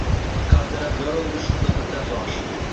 Qaldirab yorildi shunda birdan tosh